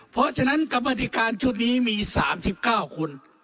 เพราะฉะนั้นกรรมธิการชุดนี้มี๓๙คน